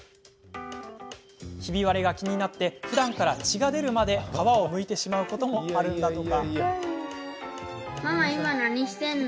ひび割れが気になりふだんから血が出るまで皮をむいてしまうこともあるんだとか。